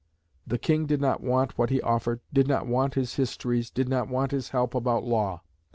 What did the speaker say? The King did not want what he offered, did not want his histories, did not want his help about law.